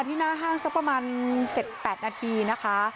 หน้าห้างสักประมาณ๗๘นาทีนะคะ